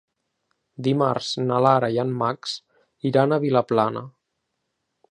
Dimarts na Lara i en Max iran a Vilaplana.